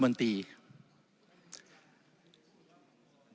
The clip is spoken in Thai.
ผมเคารพในมุมมองที่แตกต่างของทุกท่านที่พูดไป